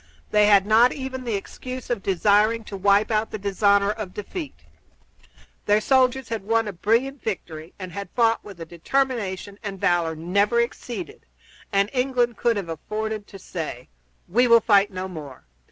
They had not even the excuse of desiring to wipe out the dishonor of a defeat. Their soldiers had won a brilliant victory and had fought with a determination and valor never exceeded, and England could have afforded to say, "We will fight no more.